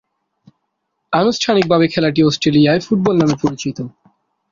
আনুষ্ঠানিকভাবে খেলাটি অস্ট্রেলীয় ফুটবল নামে পরিচিত।